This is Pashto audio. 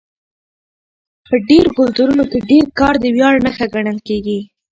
په ډېرو کلتورونو کې ډېر کار د ویاړ نښه ګڼل کېږي.